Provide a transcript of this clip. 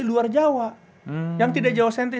di luar jawa yang tidak jawa sentri